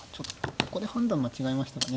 ここで判断間違えましたかね